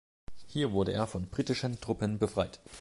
Hier wurde er von britischen Truppen befreit.